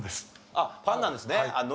あっパンなんですね。